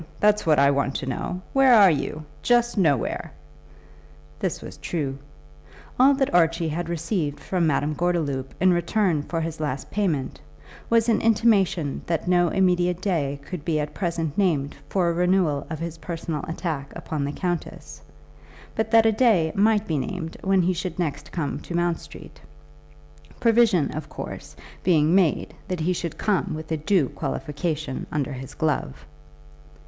That's what I want to know. Where are you? Just nowhere." This was true. All that Archie had received from Madame Gordeloup in return for his last payment, was an intimation that no immediate day could be at present named for a renewal of his personal attack upon the countess; but that a day might be named when he should next come to Mount Street, provision, of course, being made that he should come with a due qualification under his glove.